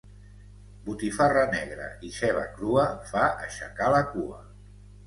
Botifarra negra i ceba crua fa aixecar la cua.